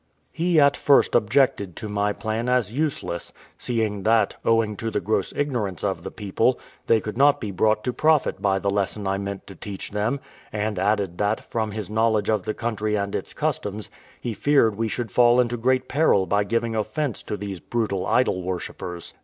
He at first objected to my plan as useless, seeing that, owing to the gross ignorance of the people, they could not be brought to profit by the lesson I meant to teach them; and added that, from his knowledge of the country and its customs, he feared we should fall into great peril by giving offence to these brutal idol worshippers.